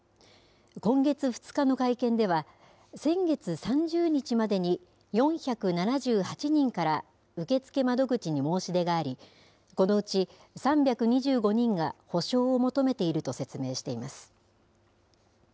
今月２日の会見では、先月３０日までに４７８人から受付窓口に申し出があり、このうち３２５人が補償を求めていると説明しています。